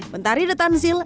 bentarir dan zil